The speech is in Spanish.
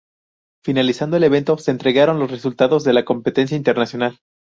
Finalizando el evento, se entregaron los resultados de la Competencia Internacional.